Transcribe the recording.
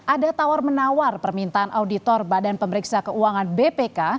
ada tawar menawar permintaan auditor badan pemeriksa keuangan bpk